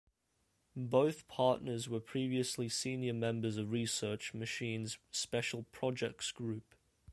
Both partners were previously senior members of Research Machine's Special Projects Group.